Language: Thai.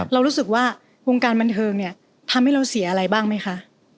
เรารู้สึกว่าวงการบันเทิงเนี่ยทำให้เราเสียอะไรบ้างไหมคะ